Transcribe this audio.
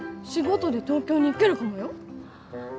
仕事で東京に行けるかもよ？